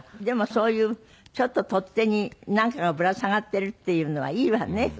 でもそういうちょっと取っ手になんかがぶら下がってるっていうのはいいわね。